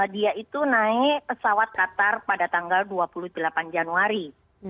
dia itu naik pesawat qatar pada tanggal dua puluh delapan januari